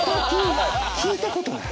聞いたことない。